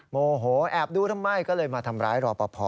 โมโหแอบดูทำไมก็เลยมาทำร้ายรอปภ